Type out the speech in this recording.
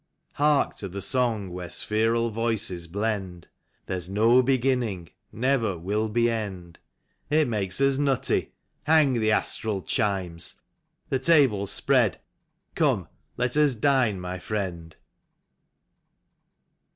Hark to the song where spheral voices blend: " There's no beginning, never will be end.'' It makes us nutty; hang the astral chimes! The table's spread ; come, let us dine, my friend.